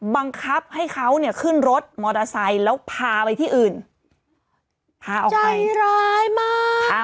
บังคับให้เขาเนี่ยขึ้นรถมอเตอร์ไซค์แล้วพาไปที่อื่นพาออกใจร้ายมาก